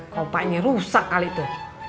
kopanya rusak kali itu